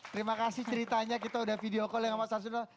terima kasih ceritanya kita udah video call ya sama mas arswendo